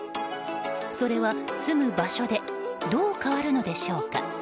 それは住む場所でどう変わるのでしょうか。